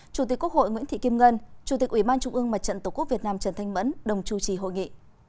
chủ tịch quốc hội nguyễn thị kim ngân chủ tịch ủy ban trung ương mặt trận tổ quốc việt nam trần thanh mẫn đồng chủ trì hội nghị